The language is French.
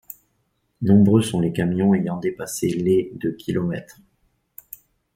Nombreux sont les camions ayant dépassé les de kilomètres.